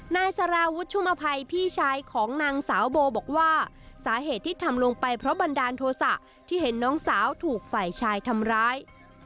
นายสารวุฒิชุมอภัยพี่ชายของนางสาวโบบอกว่าสาเหตุที่ทำลงไปเพราะบันดาลโทษะที่เห็นน้องสาวถูกฝ่ายชายทำร้าย